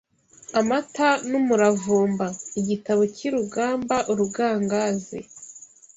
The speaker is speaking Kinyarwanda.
Amata n'Umuravumba: Igitabo cy'iRugamba Urugangazi